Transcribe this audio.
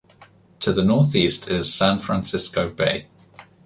To the northeast is San Francisco Bay.